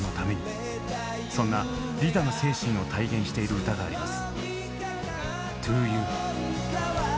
そんな利他の精神を体現している歌があります。